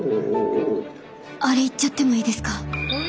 あれいっちゃってもいいですか？